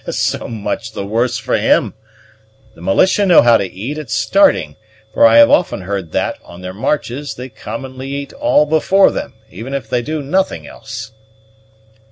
"So much the worse for him. The militia know how to eat at starting; for I have often heard that, on their marches, they commonly eat all before them, even if they do nothing else."